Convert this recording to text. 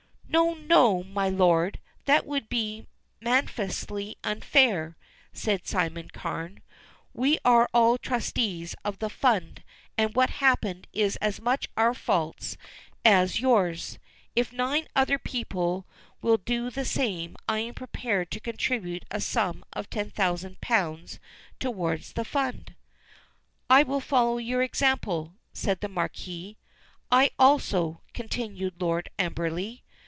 "No, no, my lord; that would be manifestly unfair," said Simon Carne. "We are all trustees of the fund and what happened is as much our faults as yours. If nine other people will do the same I am prepared to contribute a sum of ten thousand pounds towards the fund." "I will follow your example," said the Marquis. "I also," continued Lord Amberley.